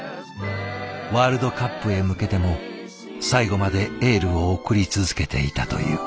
ワールドカップへ向けても最後までエールを送り続けていたという。